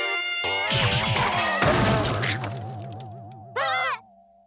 あっ！